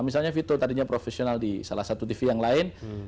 misalnya vito tadinya profesional di salah satu tv yang lain